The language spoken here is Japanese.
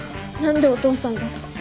何でお父さんが？